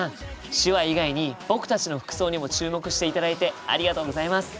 手話以外に僕たちの服装にも注目していただいてありがとうございます。